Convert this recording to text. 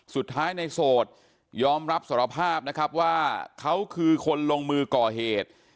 สุดท้ายในโสดยอมรับสารภาพนะครับว่าเขาคือคนลงมือก่อเหตุ